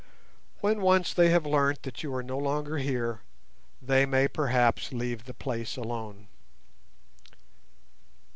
When once they have learnt that you are no longer here they may perhaps leave the place alone."